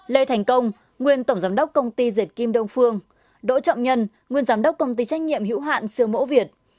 lê thành công nguyên tổng giám đốc công ty diệt kim đông phương đỗ trọng nhân nguyên giám đốc công ty trách nhiệm hữu hạn sư mỗ việt